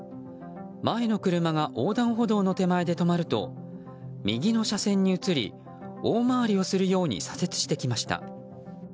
前の車が横断歩道の手前で止まると右の車線に移り大回りをするように左折してきました。